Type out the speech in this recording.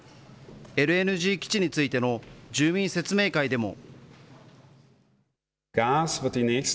ＬＮＧ基地についての住民説明会でも。